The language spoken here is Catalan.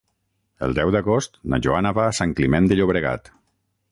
El deu d'agost na Joana va a Sant Climent de Llobregat.